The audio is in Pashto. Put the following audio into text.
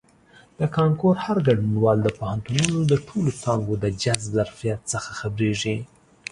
د کانکور هر ګډونوال د پوهنتونونو د ټولو څانګو د جذب ظرفیت څخه خبریږي.